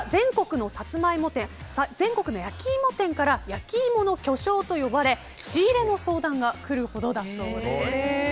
また、全国の焼き芋店から焼き芋の巨匠と呼ばれ仕入れの相談が来るほどだそうです。